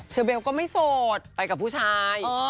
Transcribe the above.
เชอร์เบลก็ไม่โดรมแม่ไปกับผู้ชาย